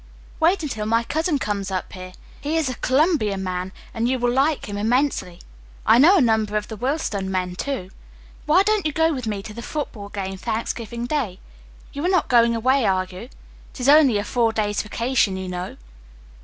"Wait until my cousin comes up here. He is a Columbia man and you will like him immensely. I know a number of the Willston men, too. Why don't you go with me to the football game Thanksgiving Day? You are not going away, are you? It is only a four days' vacation, you know."